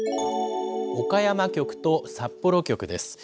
岡山局と札幌局です。